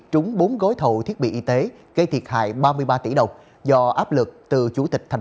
trúng bốn gối thầu thiết bị y tế gây thiệt hại ba mươi ba tỷ đồng do áp lực từ chủ tịch tp cn